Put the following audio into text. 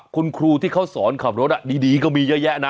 คุณครูที่เขาสอนขับรถดีก็มีเยอะแยะนะ